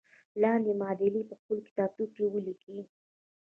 لاندې معادلې په خپلو کتابچو کې ولیکئ.